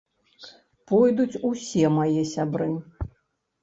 Пойдуць усе мае сябры.